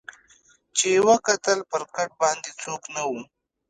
چي یې وکتل پر کټ باندي څوک نه وو